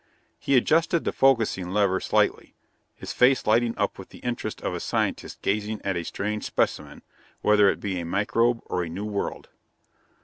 He adjusted the focusing lever slightly, his face lighting up with the interest of a scientist gazing at a strange specimen, whether it be a microbe or a new world.